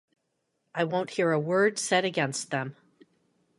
I won't hear a word said against them.